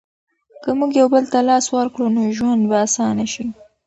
که موږ یو بل ته لاس ورکړو نو ژوند به اسانه شي.